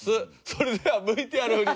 それではＶＴＲ振り